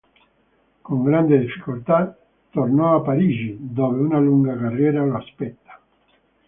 Con grande difficoltà tornò a Parigi, dove una lunga carriera lo aspetta.